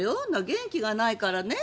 元気がないからね